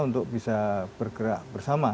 untuk bisa bergerak bersama